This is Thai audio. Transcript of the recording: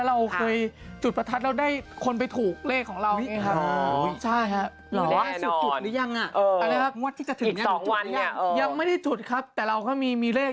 ก็เคยจุดประทัดได้คนที่จะถูกเรื่องของเราม่อน